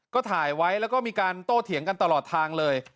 ก็ถ่ายไว้แล้วก็มีการโต้เถียงกันตลอดทางเลย